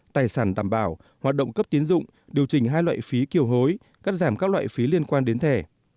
tài sản tạm bảo hoạt động cấp tiến dụng điều chỉnh hai loại phí kiều hối cắt giảm các loại phí liên quan đến thẻ